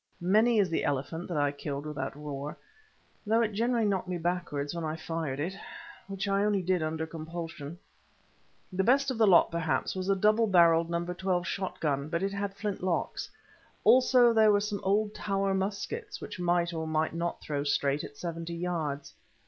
Many is the elephant that I killed with that roer, although it generally knocked me backwards when I fired it, which I only did under compulsion. The best of the lot, perhaps, was a double barrelled No. 12 shot gun, but it had flint locks. Also there were some old tower muskets, which might or might not throw straight at seventy yards.